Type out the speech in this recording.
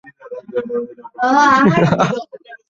মুহাম্মাদকে সে শত্রু ভাবে না।